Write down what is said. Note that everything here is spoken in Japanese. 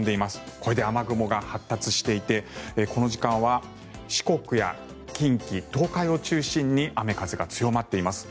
これで雨雲が発達していてこの時間は四国や近畿・東海を中心に雨風が強まっています。